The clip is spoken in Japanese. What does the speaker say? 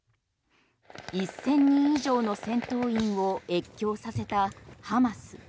１０００人以上の戦闘員を越境させたハマス。